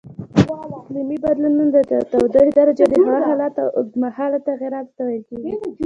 اقلیمي بدلونونه د تودوخې درجې او د هوا حالاتو اوږدمهالو تغییراتو ته ویل کېږي.